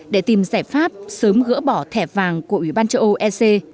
để tìm giải pháp sớm gỡ bỏ thẻ vàng của ủy ban châu âu ec